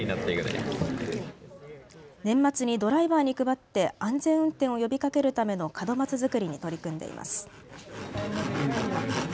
年末にドライバーに配って安全運転を呼びかけるための門松作りに取り組んでいます。